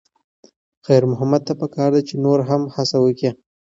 خیر محمد ته پکار ده چې نور هم هڅه وکړي.